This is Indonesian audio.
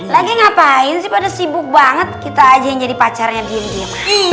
lagi ngapain sih pak d sibuk banget kita aja yang jadi pacarnya dia